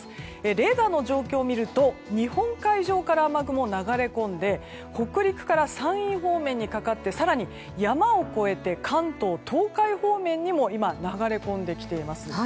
レーダーの状況を見ると日本海上から雨雲が流れ込んで北陸から山陰方面にかかって更に山を越えて関東・東海方面にも今、流れ込んできています。